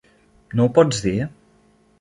No ho pots dir?